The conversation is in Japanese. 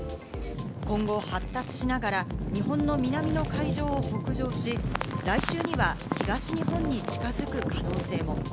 今後、発達しながら日本の南の海上を北上し、来週には東日本に近づく可能性も。